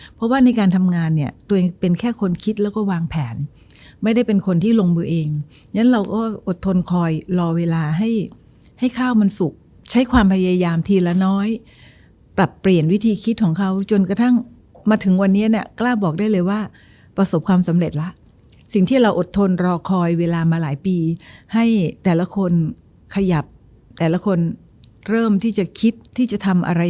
เพราะว่าในการทำงานเนี่ยตัวเองเป็นแค่คนคิดแล้วก็วางแผนไม่ได้เป็นคนที่ลงมือเองงั้นเราก็อดทนคอยรอเวลาให้ให้ข้าวมันสุกใช้ความพยายามทีละน้อยปรับเปลี่ยนวิธีคิดของเขาจนกระทั่งมาถึงวันนี้เนี่ยกล้าบอกได้เลยว่าประสบความสำเร็จแล้วสิ่งที่เราอดทนรอคอยเวลามาหลายปีให้แต่ละคนขยับแต่ละคนเริ่มที่จะคิดที่จะทำอะไร